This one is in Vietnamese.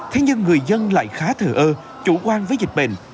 thế nhưng người dân lại khá thờ ơ chủ quan với dịch bệnh